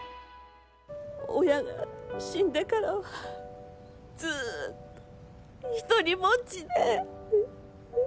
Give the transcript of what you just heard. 親が死んでからはずっと独りぼっちで。